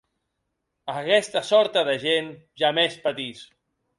Aguesta sòrta de gent jamès patís!